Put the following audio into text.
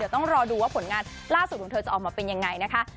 ต้องรอดูว่าผลงานล่าสุดของเธอจะออกมาเป็นยังไงนะคะ